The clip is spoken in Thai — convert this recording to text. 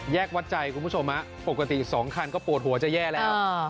แยกวัดใจคุณผู้ชมอ่ะปกติสองคันก็โปรดหัวจะแย่แล้ว